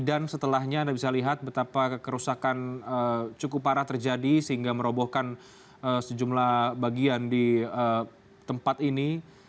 dan setelahnya anda bisa lihat betapa kerusakan cukup parah terjadi sehingga merobohkan sejumlah bagian di tempat ini